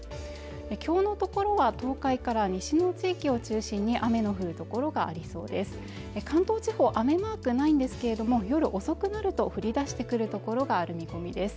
今日のところは東海から西の地域を中心に雨の降る所がありそうです関東地方雨マークないんですけれども夜遅くなると降りだしてくる所がある見込みです